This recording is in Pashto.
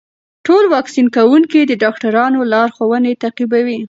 ټول واکسین کوونکي د ډاکټرانو لارښوونې تعقیبوي.